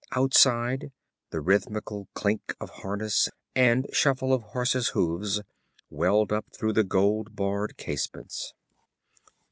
Outside, the rhythmical clank of harness and shuffle of horses' hoofs welled up through the gold barred casements.